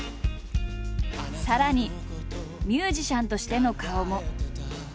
さらにミュージシャンとしての顔も。